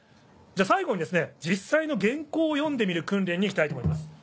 最後に実際の原稿を読んでみる訓練に行きたいと思います。